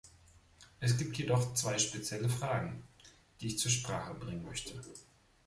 Es gibt jedoch zwei spezielle Fragen, die ich zur Sprache bringen möchte.